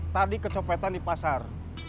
tadi kecopetan di pasar